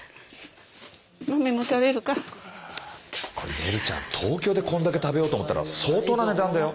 ねるちゃん東京でこんだけ食べようと思ったら相当な値段だよ。